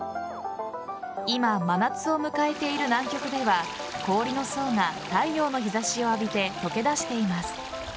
今、真夏を迎えている南極では氷の層が、太陽の日差しを浴びて解け出しています。